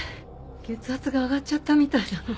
血圧が上がっちゃったみたいなの。